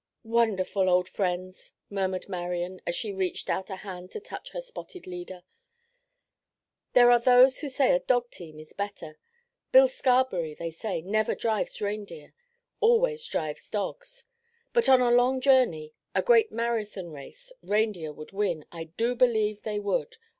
"Wonderful old friends," murmured Marian as she reached out a hand to touch her spotted leader. "There are those who say a dog team is better. Bill Scarberry, they say, never drives reindeer; always drives dogs. But on a long journey, a great marathon race, reindeer would win, I do believe they would.